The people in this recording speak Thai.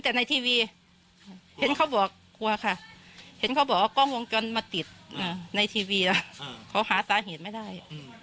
แต่ในทีวีเห็นเขาบอกกลัวค่ะเห็นเขาบอกว่ากล้องวงจรปิดมาติดในทีวีนะเขาหาสาเหตุไม่ได้